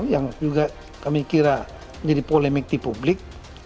yang juga kami kira jadi polemik di publik